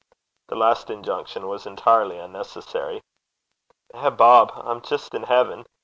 The last injunction was entirely unnecessary. 'Eh, Bob, I'm jist in haven!'